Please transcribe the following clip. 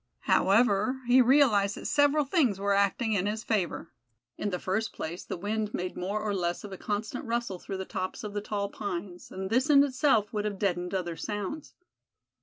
However, he realized that several things were acting in his favor. In the first place the wind made more or less of a constant rustle through the tops of the tall pines, and this in itself would have deadened other sounds.